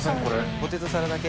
ポテトサラダ系？